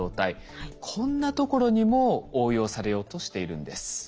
こんなところにも応用されようとしているんです。